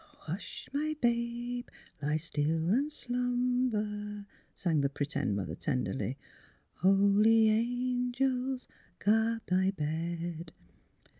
"'' Hush, my babe, lie still and slumber! " sang the p'tend mother, tenderly. " Holy angels guard thy bed!